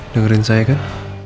dengerin saya kan